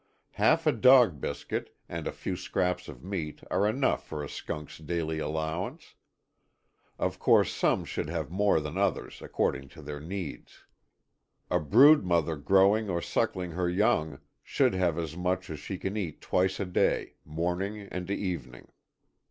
Half a dog biscuit, and a few scraps of meat are enough for a skunkŌĆÖs daily allowance. Of course some should have more than others according to their needs. A brood mother growing or suckling her young should have as much as she can eat twice a day, morning and evening.